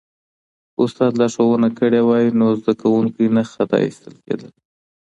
که استاد لارښوونه کړې وای نو زده کوونکی نه خطا استل کېدل.